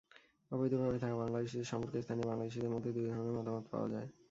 অবৈধভাবে থাকা বাংলাদেশিদের সম্পর্কে স্থানীয় বাংলাদেশিদের মধ্যে দুই ধরনের মতামত পাওয়া যায়।